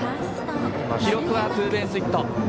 記録はツーベースヒット。